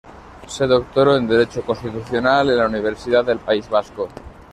Se doctoró en Derecho Constitucional en la Universidad del País Vasco.